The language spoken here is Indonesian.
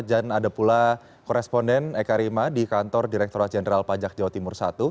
dan ada pula koresponden eka rima di kantor direkturat jenderal pajak jawa timur satu